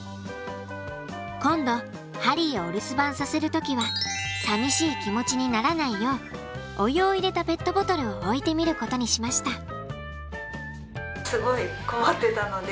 今度ハリーをお留守番させる時は寂しい気持ちにならないようお湯を入れたペットボトルを置いてみることにしました。